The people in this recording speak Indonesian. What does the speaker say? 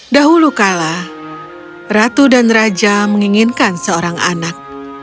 dahulu kala ratu dan raja menginginkan seorang anak